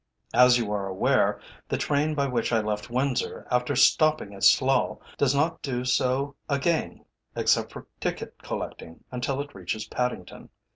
As you are aware, the train by which I left Windsor, after stopping at Slough, does not do so again, except for ticket collecting, until it reaches Paddington.